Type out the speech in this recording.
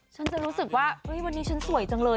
ฉันจะรู้สึกว่าวันนี้ฉันสวยจังเลย